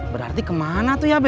berarti kemana tuh ya